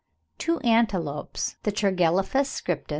Two antelopes, the Tragelaphus scriptus (13.